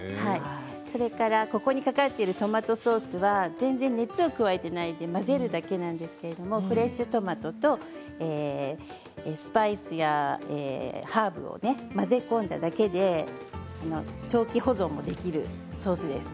それからここにかかっているトマトソースは全然熱を加えていないで混ぜるだけなんですけどフレッシュトマトとスパイスやハーブを混ぜ込んだだけで長期保存もできるソースです。